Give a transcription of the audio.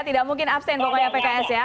tidak mungkin abstain pokoknya pks ya